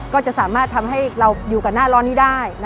ก็จะสามารถทำให้เราอยู่กับหน้าร้อนนี้ได้